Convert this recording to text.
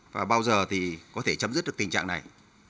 và bao giờ thì có thể chấm dứt được tình trạng này